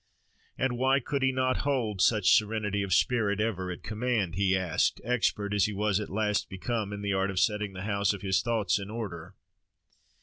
And why could he not hold such serenity of spirit ever at command? he asked, expert as he was at last become in the art of setting the house of his thoughts in order.